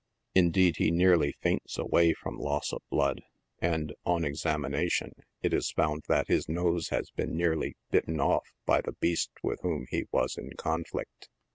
Indeed he nearly faints away from loss of blood, and, on examination, it is found that his nose has been nearly bitten off by the beast with whom he was in conflict.